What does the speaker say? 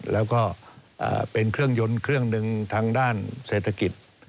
แล้วก็เป็นเครื่องยนต์เครื่องหนึ่งทางด้านเศรษฐกิจ